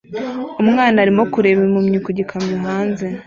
Umwana arimo kureba impumyi ku gikamyo hanze